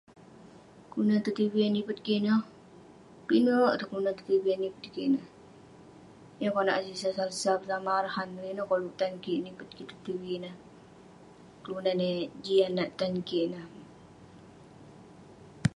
Kelunan to tivi yah nipet kik ineh, pinek ireh kelunan to tivi yah nipet kik ineh. Yah konak [unintelligible] ireh ineh koluk tan kik nipet kik to tivi ineh. Kelunan yah jian nat tan kik ineh.